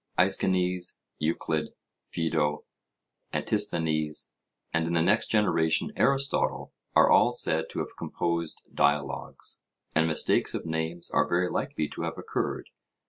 Aeschines, Euclid, Phaedo, Antisthenes, and in the next generation Aristotle, are all said to have composed dialogues; and mistakes of names are very likely to have occurred.